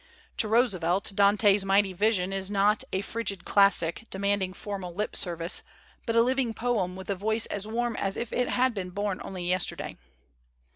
To Roosevelt Dante's mighty vision is not a frigid classic demanding formal lip service but a living poem with a voice as warm as if it had been born only yesterday.